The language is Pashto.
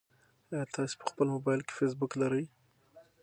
ایا تاسي په خپل موبایل کې فېسبوک لرئ؟